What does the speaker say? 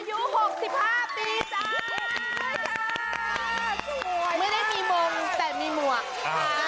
สวัสดีค่ะสวยมากไม่ได้มีมงแต่มีหมวก